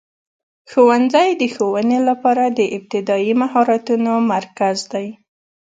ښوونځی د ښوونې لپاره د ابتدایي مهارتونو مرکز دی.